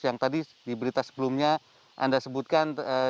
yang tadi di berita sebelumnya anda sebutkan